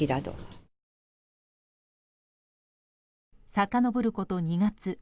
さかのぼること２月。